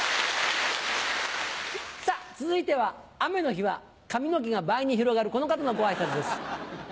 さぁ続いては雨の日は髪の毛が倍に広がるこの方のご挨拶です。